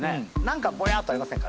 何かぼやっとありませんか？